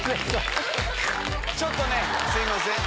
ちょっとねすいません。